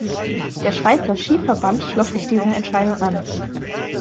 Der Schweizer Skiverband schloss sich dieser Entscheidung an.